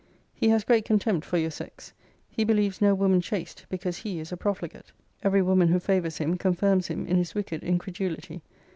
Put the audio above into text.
He has great contempt for your sex. He believes no woman chaste, because he is a profligate. Every woman who favours him confirms him in his wicked incredulity.